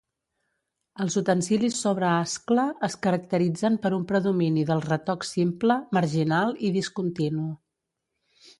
Els utensilis sobre ascla es caracteritzen per un predomini del retoc simple, marginal i discontinu.